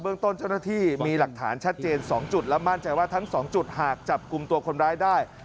ต้นเจ้าหน้าที่มีหลักฐานชัดเจน๒จุดและมั่นใจว่าทั้ง๒จุดหากจับกลุ่มตัวคนร้ายได้